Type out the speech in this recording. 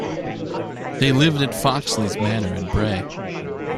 They lived at Foxley's Manor in Bray.